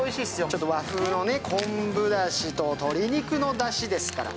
ちょっと和風に昆布だしと鶏肉のだしですから。